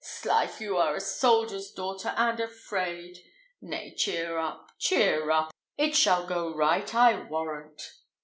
'Slife! you a soldier's daughter, and afraid! Nay, cheer up, cheer up! It shall all go right, I warrant."